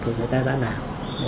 của người ta đã làm